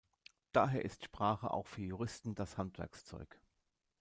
Daher ist Sprache auch für Juristen das Handwerkszeug.